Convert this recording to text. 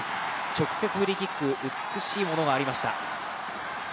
直接フリーキック、美しいものがありました。